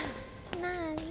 なあに？